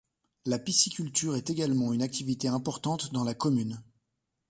La pisciculture est également une activité importante dans la commune.